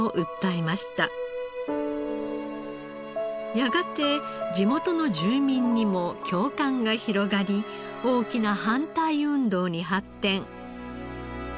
やがて地元の住民にも共感が広がり大きな反対運動に発展。